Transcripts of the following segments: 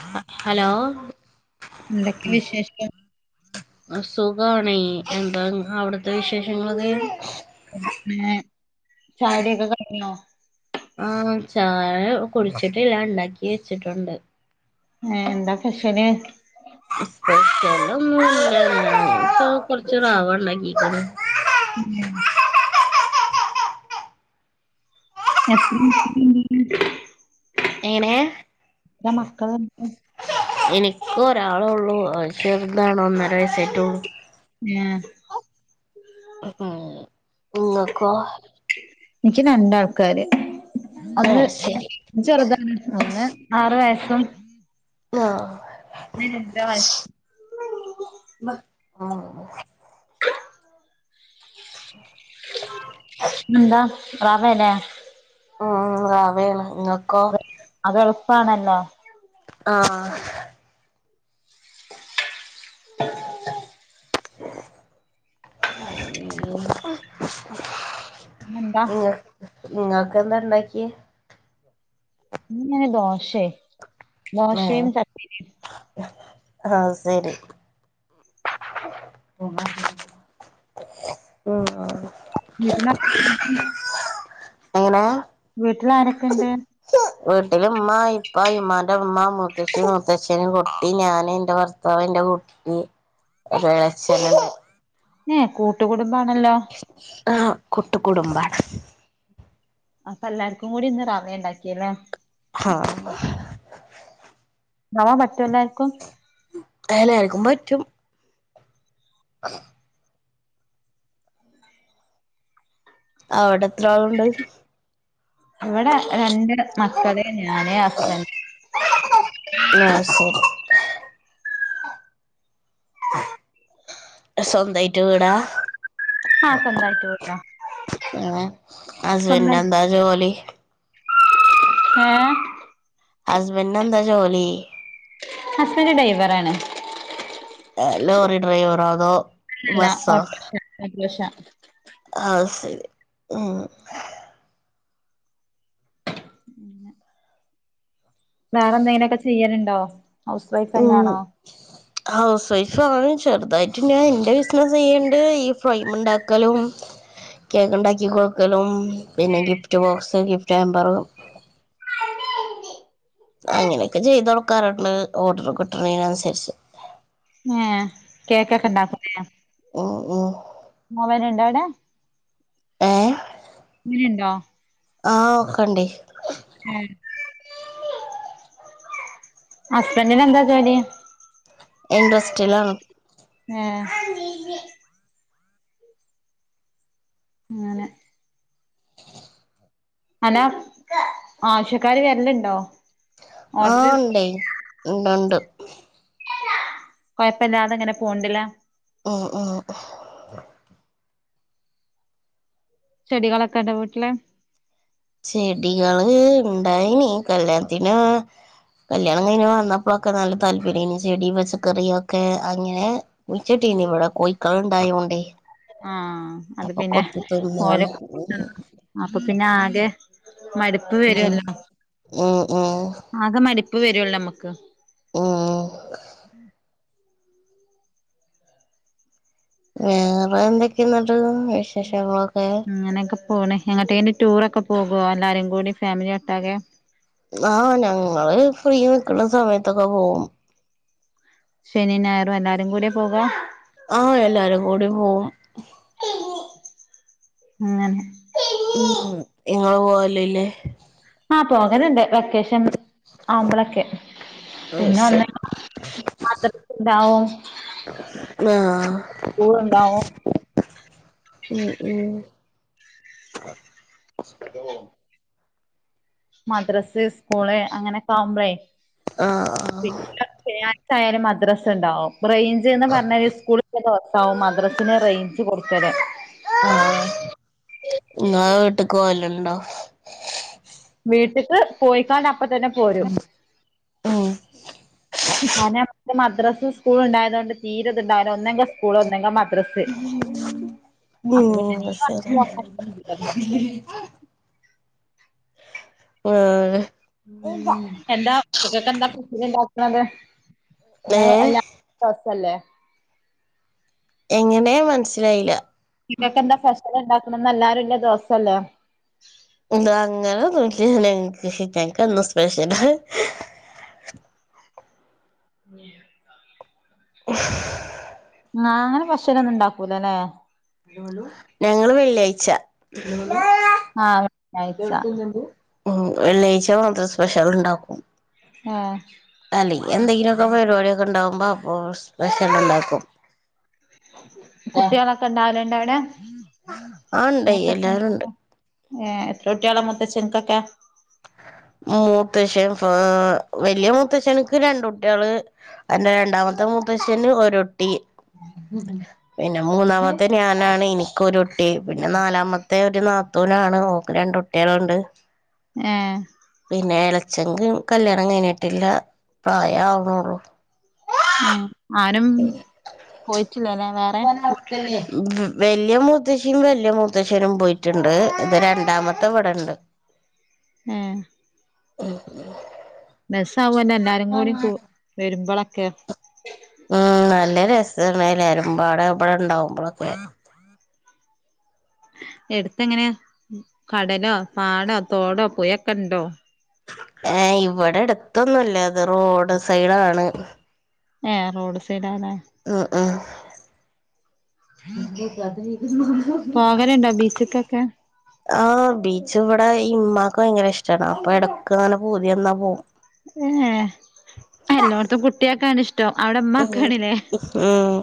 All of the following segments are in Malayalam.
അഹ് ഹലോ എന്തൊക്കെണ്ട് വിശേഷം? ആഹ് സുഖാണ് എന്താ ഇങ്ങളവിടുത്തെ വിശേഷങ്ങളൊക്കെ പിന്നെ ചായോടി ഒക്കെ കഴിഞ്ഞോ? ആഹ് ചായ കുടിച്ചിട്ട്ല്ലാ ഇണ്ടാക്കി വെച്ചിട്ടുണ്ട്. ഏ എന്താ സ്പെഷല്? സ്പെഷ്യലൊന്നൂല്ല ഇപ്പൊ കൊറച്ചു റവണ്ടാക്കീക്കണ്. ഉം [unintelligible] ഏനേ.. ന്റെ മക്കള് [unintelligible] എനിക്ക് ഒരാളള്ളൂ പക്ഷേ താണ് ഒന്നരയസ്സായിട്ടള്ളൂ [unintelligible] [unintelligible] ഇങ്ങക്കോ ഇനിക്ക് രണ്ടാൾക്കാര് ഒന്ന് ആഹ് ശരി ചെറുതാണ് ഒന്ന് ആറു വയസ്സും [unintelligible] [unintelligible] ഇമ ആഹ് [inaudible] ന്താ [unintelligible] ഉം റവേണ് ങ്ങക്കോ അത് എളുപ്പാണല്ലോ ആഹ് [inaudible] ഇന്നെന്താ ഇങ് ഇങ്ങക്കന്താണ്ടാക്കിയ ന്ന് ദോശേ ഏഹ് ദശേന്ന് ചടിനി [inaudible] ആഹ് ശരി [unintelligible] ഉം. അഹ് വീട്ടിൽ [unintelligible] എങ്ങനെ.. വീട്ടിൽ ആരൊക്കെണ്ട് വീട്ടില് ഉമ്മ ഇപ്പ ഇമ്മാന്റെ ഉമ്മ മുത്തശ്ശി മൂത്തശൻ കുട്ടി ഞാന് ന്റെ ഭർത്താവ് ന്റെ കൂട്ടി നി [unintelligible] ഏ കൂട്ടുകടുബാണല്ലോ? ആഹ് കൂട്ട്കുടുംബാ അപ്പ എല്ലാർക്കും കൂടി ഇന്ന് റവയണ്ടാക്കിയലെ ഹഹാ റവ പറ്റുല്ലാർക്കും എലർക്കും പറ്റും [inaudible] അവിടെ എത്രാള്ണ്ട് ഇവിടെ രണ്ട് മക്കളെ ഞാന് ഹസ്ബൻഡ് ന്നാ ശരി സ്വന്തായിട്ട് വീടാ ഒ ആഹ് സ്വന്തായിട്ട് വീടാ ഏ ഹസ്ബന് ന്താ ജോലി ഏ.. ഹസ്ബൻഡ് ന്താ ജോലി ഹസ്ബൻഡ് ഡ്രൈവറാണ് ഏ ലോറി ഡ്രൈവറോ അതോ ഇല്ലെല്ലാ ബസ്സോ ഓട്ടർക്ഷാണ് ഓട്ടർക്ഷ ആഹ് സെരി പിന്നെ വേറെന്തേലൊക്കെ ചെയ്യല്ണ്ടോ ഹൗസ് വൈഫ് അന്നെ ഉം ആണോ ഹൗസ് വൈഫ് ആണ് ചെറുതായിട്ട് ഞാനിന്റെ ബിസിനസ് ചെയ്യ്ണ്ട് ഈ ഫ്രൈമ് ഇണ്ടാക്കലും കേക്ക് ഇണ്ടാക്കി കൊട്ക്കലും പിന്നെ ഗിഫ്റ്റ് ബോക്സ് ഗിഫ്റ്റ് ഹാമ്പറ് അങ്ങനൊക്കെ ചെയ്ത് കൊടുക്കാറുണ്ട് ഓർഡർ കിട്ട്ണേന് അനുസരിച്ച് ഏഹ് കേക്കൊക്കെ ഇണ്ടാക്കുംലേ ഉം ഉം മോവരൻണ്ടോ അവിടെ ഏഹ് [unintelligible] ഇണ്ടോ ആഹ് ഒക്കെണ്ടെയ് ഉം ഹസ്ബൻഡിന് എന്താ ജോലി ഇൻഡസ്ട്രിലാണ് ഏഹ് അങ്ങനെ അലാ ആവശ്യക്കാര് വര്ല്ണ്ടോ ആഹ് ണ്ടെയ് ഇണ്ട്ണ്ട് കൊഴപ്പല്ലാതെ ങ്ങനെ പോവ്ണ്ട്ല്ലേ ഉം ഉം ഉം ചെടികളൊക്കെ ഇണ്ടോ വീട്ടില് ചെടികള് ഉണ്ടായീനി കല്യാത്തിന് കല്യാണം കഴിഞ്ഞ് വന്നപ്പൊക്കെ നല്ല താല്പര്യേനി ചെടി പച്ചക്കറിയൊക്കെ അങ്ങനെ കുയിച്ചിട്ടീനി ഇവടെ കോഴിക്കള് ഇണ്ടായോണ്ടേയ് ആഹ് അത് പിന്നെ ഓരെ തിന്നാണ് ഉം അപ്പൊ പിന്നെ ആകെ മട്പ്പ് ഉം വരുല്ലോ ഉം ഉം ആകെ മടിപ്പ് വരുല്ലോ അമ്മക്ക് ഉം വേറെ എന്തൊക്കെഞ്ഞെട്ട് ഇങ്ങനെയൊക്കെ പോണ് എങ്ങട്ടേല് ടൂറൊക്കെ പോകോ എല്ലാരും കൂടി ഫാമിലിഒട്ടാകെ ആഹ് ഞങ്ങള് ഫ്രീ നിക്ക്ണ സമയത്തൊക്കെ പോകും ശനിം ഞായറും എല്ലാരും കൂട്യാ പോകാ ആഹ് എല്ലാരും കൂടി പോകും ഇങ്ങനേ ഉം ഉം ഞങ്ങള് പോവേല് ആഹ് പോകല്ണ്ട് വെക്കേഷൻ ആവുമ്പളൊക്കെ ആഹ് പിന്നെ ഒന്ന് ശരി മദ്രസ്‌ ഉണ്ടാവും ആഹ് സ്കൂൾ ഉണ്ടാകും ഉം ഉം ഹലോ മദ്രസ് സ്കൂള് അങ്ങനൊക്കെ ആവുമ്പളെ ആഹ് ആഹ് പിന്നെ ശനിയാഴ്ച ആയാലും മദ്രസ് ഉണ്ടാവും റേഞ്ച് എന്ന് പറഞ്ഞാല് സ്കൂളിൽ ഇല്ലാത്ത ദിവസം ആകും മദ്രസിന് റേഞ്ച് കൊടുക്കലെ ആഹ് ഇങ്ങ വീട്ട്ക്ക് പോകല്ണ്ടോ വീട്ട്ക്ക് പോയിക്കാണ്ട് അപ്പ തന്നെ പോരും ഉം കാരണം ഇപ്പം മദ്രസും സ്കൂളും ഉണ്ടായതോണ്ട് തീരെ ഇത്ണ്ടാവൂല്ല ഒന്നെങ്കി സ്കൂള് ഒന്നെങ്കി മ ദ്രസ് ഉം ന്നാ സരി വേറെ ഉം എന്താ എന്താ ഉണ്ടാക്കുന്നത് ഇന്ന് ഏഹ് ഇല്ലാത്ത ദിവസമല്ലേ എങ്ങനെ മനസ്സിലായില്ല [unintelligible] ക്കെന്താ ഫെസലുണ്ടാകുന്നെ ഇന്ന് എല്ലാരുല്ലേ ദിവസല്ലേ എന്താ അങ്ങനെ ഒന്നുല്ല്യ എനിക്ക് എനികെന്നും സ്പെഷലാ [unintelligible] [unintelligible] നാങ്ങല് ഫെഷലൊന്നും ഉണ്ടാക്കൂലല്ലേ ഞങ്ങള് വെള്ളിയാഴ്ച ആഹ് ശനിയാഴ്ച ഉം വെള്ളിയാഴ്ച മാത്ര സ്പെഷ്യൽ ഉണ്ടാക്കും ആഹ് അല്ലങ്കി എന്തെങ്കിലുക്കെ പരിപാടിയൊക്കെ ഉണ്ടാകുമ്പോ ഓ സ്പെഷ്യലുണ്ടാക്കും കുട്ടികളൊക്കെണ്ടാവലണ്ടവിടെ ആ ഉണ്ട് മൂ എല്ലാരും ഉണ്ട് ഏ എത്ര കുട്ട്യോളാ മൂത്തച്ചൻകൊക്കെ.. മൂത്തഷൻ ഫാ വല്യ മൂത്തച്ഛൻക് രണ്ടുട്യേള് അതിന്റെ രണ്ടാമത്തെ മൂത്തച്ചന് ഒരുട്ടി പിന്നെ മൂന്നാമത്തെ ഞാനാണ് എനിക്കൊരുട്ടി. പിന്നെ നാലാമത്തെ ഒരു നാത്തൂനാണ് ഓക്ക് രണ്ടുട്ട് ട്ടിയൊള്ണ്ട് ഏ.. പിന്നെ ഇളച്ചൻക് കല്ല്യാണം കഴിഞ്ഞിട്ടില്ല. പ്രായാവ്ന്നോള്ളൂ.. ഏ ആരും പോയിട്ടില്ലല്ലെ വേ പോന അവതല്ലി [unintelligible] ഉം വല്യ മൂത്തച്ചിം വല്യ മൂത്തച്ഛനും പോയിട്ടുണ്ട്... ഇപ്പൊ രണ്ടാമത്തെ ഇവിടെണ്ട് ഏ... ഉം രസ്സാവല്ലോ എല്ലാരും കൂടി കൂ വരുമ്പളൊക്കെ ഉം നല്ല രസാണ്... എല്ലാരുംബാടെ ഇബടെണ്ടാവുമ്പോളൊക്കെ.. എടുത്ത് എങ്ങനെ കടലോ പാടോ തോടോ പുയൊക്കെണ്ടോ ഏയ്... ഇവിടെടുത്തൊന്നുല്ല.. ഇത് റോഡ് സൈഡാണ് ഏ റോഡ് സൈഡാല്ലേ.. ആഹ്.. ആഹ്.. പോകലുണ്ടോ ബീച്ച്ക്കൊക്കെ [unintelligible] ആ ബീച്ചിവിടെ ഇമ്മാക്ക് ഭയങ്കര ഇഷ്ടാണ്... അപ്പൊ ഇടക്കങ്ങനെ പൂതിന്നാ പോകും ഏഹ് എല്ലോട്ത്തും കുട്യാൾക്കാണിഷ്ട്ടം അവിടെ ഇമ്മക്കാണില്ലേ.. ഹും....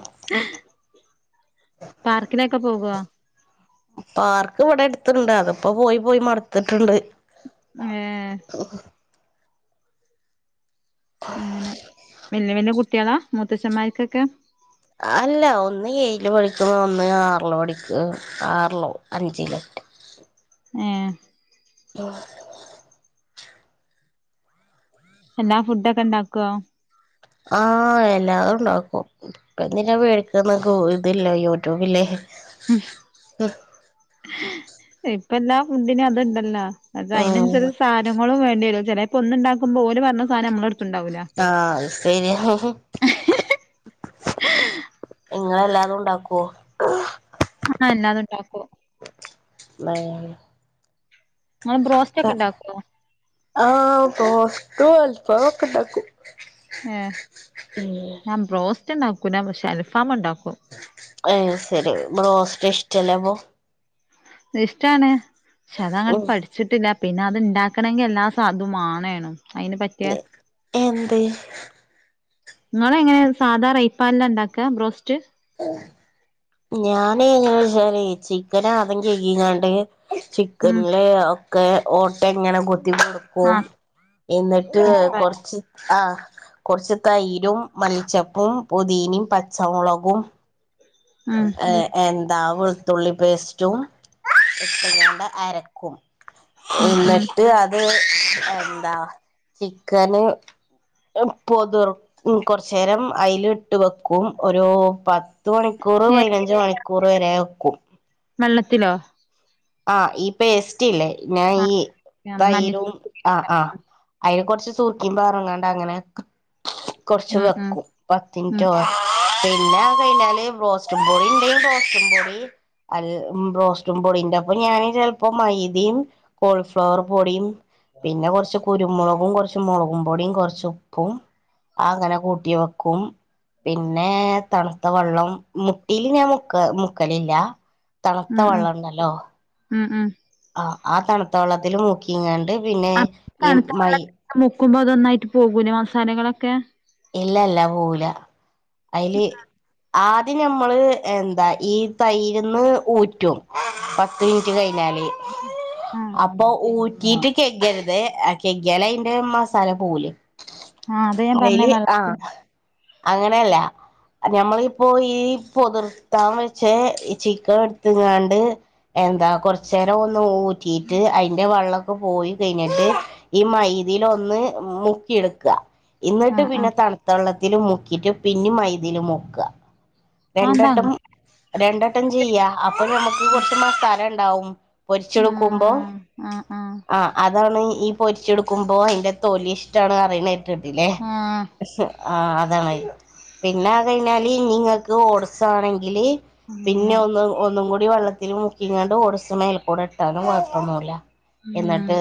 പാർക്കിനൊക്കെ പോവോ പാർക്കിവിടടുത്തുണ്ട്.. അത്പ്പോ പോയി പോയി മട്ത്തിട്ടുണ്ട് മ്ഏഹ് [unintelligible] അങ്ങനെ വല്യ വല്യ കുട്ട്യോളാ.. മൂത്തച്ഛന്മാർക്കൊക്കെ അല്ല ഒന്ന് ഏഴില് പഠിക്കുന്ന് ഒന്ന് ആറില് പഠിക്ക ആറിലോ അഞ്ചിലോക്കെ ഏഹ് ഉം എല്ലാ ഫുഡോക്കെണ്ടാക്കോ ആഹ് എല്ലാതുണ്ടാക്കും എന്തിനാ പേടിക്കുന്നെ.. ഇപ്പൊ ഇതില്ലേ.. യൂട്യൂബ്യില്ലേ ഉംഹ്.. ഏഹ് ഇപ്പല്ലാ ഫുഡിനും അത്ണ്ടല്ലാ അത് ഉം അയിനനുസരിച്ച് സാധനങ്ങളും വേണ്ടിവരും.. ചെലേപ്പോ ഒന്ന്ണ്ടാക്കുമ്പോ ഓല് പറഞ്ഞ സാനം നമ്മളട്ത്ത്ണ്ടാവൂല്ല ആഹ് [unintelligible] നിങ്ങളല്ലാതും ഇണ്ടാക്കോ ആഹ്.. എല്ലാതുണ്ടാക്കും [unintelligible] നിങ്ങൾ ബ്രോസ്റ്റ് ഒക്കെ ഉണ്ടാക്കോ ആഹ ബ്രോസ്റ്റും അൽഫമൊക്കെ ഒക്കെണ്ടാക്കും ഏഹ് ഞാൻ ബ്രോസ്റ്റ് ഉണ്ടാക്കുല്ല.. പക്ഷെ അൽഫാം ഇണ്ടാക്കും ഏ ശരി.. ബ്രോസ്റ്റ് ഇഷ്ടല്ലേ അപ്പൊ ഇഷ്ടാണ്.. പക്ഷെ അതങ്ങട്ട് ഉം പഠിച്ചിട്ടില്ല പിന്നെ അത്ണ്ടാക്കണമെങ്കിൽ എല്ലാ സാധും മാണേണം അയിന് പറ്റിയ എന്ത് നിങ്ങള എങ്ങനെ സാധാ റൈപനിലാ ഇണ്ടാക്കാ ബ്രോസ്റ്റ് ഞാൻ ചിക്കൻ ആദ്യം കഴികീകണ്ട് ഉം ചിക്കനില് ഒക്കെ ഓട്ട ഇങ്ങനെ കുത്തി കൊടുക്ക് പോം ആഹ് എന്നിട്ട് സ്കിൻ ഫ്രൈ. കൊറച്ച് ആ കൊറച്ച് തൈരും, മല്ലിച്ചെപ്പും, പൊതീനേം, പച്ചമുളകും ഉം ഏ എന്താ വെളുത്തുള്ളിപേസ്റ്റും ഇട്ടെങ്ങാണ്ട് അര ക്കും ഉം ഉം എന്നിട്ട് അത് ത് എന്താ ചിക്കന് പൊതുർ ഉം കൊറച്ചേരം അയിലിട്ടുവെക്കും ഒരു പത്തുമണി ക്കൂറോ പതിനഞ്ച് മണിക്കൂറോ വരെവെക്കും വെള്ളത്തിലോ ആ ഈ പേസ്റ്റില്ലേ ഞാനീ ആഹ് മഞ്ഞ തൈരും ആ ആ അയില് കൊറച്ച് സുർക്കിം പാറീങ്ങാണ്ടങ്ങനെ കൊറച്ച് ഉം ഉം വെക്കും ഉം പത്തിന്റൊ പിന്നെ കഴിഞ്ഞാല് റോസ്റ്റും പൊടിണ്ടേ റോസ്റ്റുംപൊടി അല്ല് ഉം റോസ്റ്റുംപൊടീന്റൊപ്പം ഞാന് ചെലപ്പോ മൈദയും കോളിഫ്ലവറുപൊടിയും പിന്നെ കൊറച്ചുകുരുമുളകും കൊറച്ച് മുളകുംപൊടിയും കൊറച്ചുപ്പും ആ അങ്ങനെ കൂട്ടിവെക്കും പിന്നെ തണുത്തവെള്ളം മുട്ടീല് ഞാൻ മുക്ക മുക്കലില്ല തണുത്ത ഉം ഉം വെള്ളോണ്ടല്ലോ ഉം ഉം ആ ആ തണുത്ത വെള്ളത്തില് മുക്കിങ്ങാണ്ട് പിന്നെ അപ്പ ഈ തണുത്ത മൈ വെള്ളത്തി മുക്കുമ്പോ അതൊന്നായിട്ട് പോകൂലേ മസാലകളൊക്കെ ഇല്ലല്ല പോവൂല അയില് ആ അത് ഞമ്മള് എന്താ ഈ തൈര്ന്ന് ഊറ്റും പത്ത് മിനിറ്റ് കഴിഞ്ഞാല് [inaudible] അപ്പൊ ഊറ്റിട്ട് കെഖരുതെ ഖെഖിയാല് അയിന്റെ മസാല പോവൂലേ ആ അത് ഞാൻ പറഞ്ഞെ അയില് വെള ആ അങ്ങനെയല്ലാ ഞമ്മളിപ്പോ ഈ പൊതിർത്താൻ വെച്ചേ ഈ ചിക്കൻ എടുത്തുങ്ങാണ്ട് എന്താ കൊറച്ചേരം ഒന്ന് ഊറ്റിട്ട് അയ് അതിന്റെ വെള്ളൊക്കെപോയി കഴിഞ്ഞിട്ട് ഈ മൈദേലൊന്ന് മുക്കിയെടുക്കാ എന്നിട്ട് ആഹ് പിന്നെ ആഹ് തണുത്ത വെള്ളത്തില് മുക്കിട്ട് പിന്നെ മൈദേല് മുക്കുക അതെന്താ രണ്ടട്ടം അങ്ങ രണ്ടട്ടം ചെയ്യാ അപ്പൊ ഞമ്മക്ക് കൊറച്ച് മസാലയുണ്ടാവും പൊരിച്ചെടുക്കുമ്പോ ആഹ് ആഹ് ആഹ് ആ അതാണ് ഈ പൊരിച്ചെടുക്കുമ്പോ അതിന്റെ തൊലിഇഷ്ടാണ് അറീണകേട്ടിട്ടില്ലേ ആഹ് ആ അതാണ് അത് പിന്നെ അതുകഴിഞ്ഞാല് ഇനിനിങ്ങക്ക് ഓട്സാണെങ്കില് പിന്നെ അങ്ങനെ ഒന്നു ഒന്നുകൂടി വെള്ളത്തിമുക്കിങ്ങാണ്ട് ഓട്സ് മേലക്കൂടെ ഇട്ടാനും കുഴപ്പൊന്നുല്ലാ ഉം എന്നിട്ട്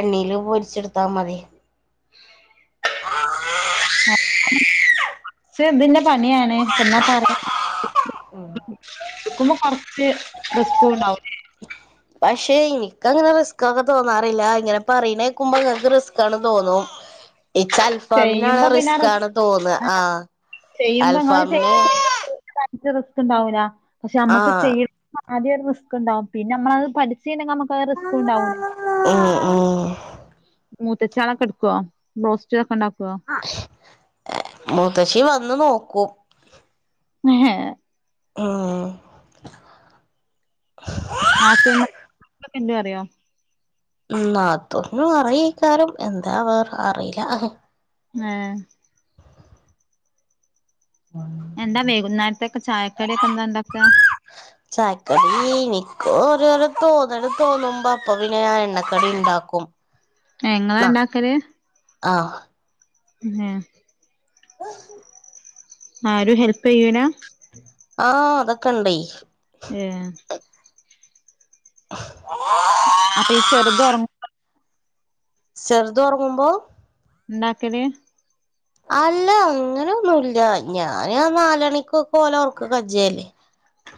എണ്ണേല് പൊരിച്ചെടുത്താ മതി ആ ച്ച് ഇതിന്റെ പണിയാണ് എന്നാ പറയാ എടുക്കുമ്പോ കൊറച്ച് റിസ്ക്കുണ്ടാവും പക്ഷെ എനിക്ക് അങ്ങനെ റിസ്ക്കൊക്കെ തോന്നാറില്ല ഇങ്ങനെ പറീണകേക്കുമ്പോ ഇങ്ങക്ക് റിസ്ക്കാണ് തോന്നും എച്ച് അൽഫാമിനാണ് ചെയ്യുമ്പോ പിന്നെ ആ റിസ് റിസ്കാണ് തോന്നുകാ ആ ആഹ് ചെയ്യുമ്പോ ഇങ്ങള് അൽഫാമിന് ചെയ്ത് ചെയ്ത് റിസ്ക് ഉണ്ടാവില്ല പക്ഷെ ഞമ്മക്ക് ആഹ് ചെയ്യണ ആദൃം ഒരു റിസ്ക് ഉണ്ടാവും പിന്നെ നമ്മളത് പടി ച്ചിയ്ഞാ ഞമ്മക്ക് റിസ്കും ഉണ്ടാവൂല ഉം ഉം മൂത്തച്ചാളൊക്കെ എടുക്കുവോ ബ്റോസ്റ്റൊക്കെ ഉണ്ടാക്കുവോ മൂത്തശ്ശി വന്നുനോക്കും മ്ഹേ ആ നാത്തുനൊ [unintelligible] അറിയോ നാത്തൂനും അറയിക്കാരം എന്താവാ അറിയില്ല ങ്ങേ [unintelligible] എന്താ വൈകുന്നേരത്തക്കെ ചായക്കടൊക്കെ എന്താ ഉണ്ടാക്കാ? ചായക്കടി എനിക്ക് ഓരോരോ തോന്നല് തോന്നുമ്പോ അപ്പൊ പിന്നെ ഞാൻ എണ്ണക്കടി ഇണ്ടാക്കും എ ഇങ്ങാളാ ഇണ്ടാക്കല്? ആ എഹെ ആരും ഹെൽപ് ചെയ്യൂലാ? ആഹ് അതൊക്കെ ഉണ്ടേയ് ഏഹ് അപ്പൊ ഈ ചെറുത് ഒറങ് ചെറുത് ഒറങ്ങുമ്പോ ഇണ്ടാക്കല്? അല്ല അങ്ങനെന്നൂല്ല ഞാന് നാലണിക്കൊക്ക ഓലെ ഓർക്ക് കജ്ജേലെ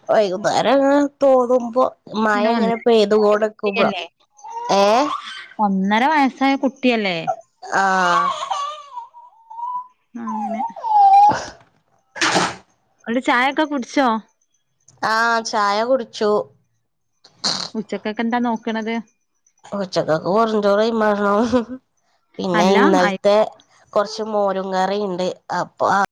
വൈകുന്നേരം അങ്ങനെ തോന്നുമ്പോ മഴ പിന്നെ ഒന്നര എങ്ങനെ വയസ്സായ പെയ്തുകോണ്ട്ക്കുമ്പോ കുട്ടിയല്ലേ ഏ ഒന്നര വയസ്സായ കുട്ടി അല്ലേ? ആഹ് ആഹ് അങ്ങനെ വ്‌ടെ ചായൊക്കെ കുടിച്ചോ? ആഹ് ചായ കുടിച്ചു. ഉച്ചക്കേക്കെന്താ നോക്കണത്? ഉച്ചക്കക്ക് വെറുഞ്ചോറായിമറണം പിന്നെ അല്ല അയി ഇന്നൽത്തെ കൊർച്ച് മോരും കറിണ്ട് അപ്പൊ അ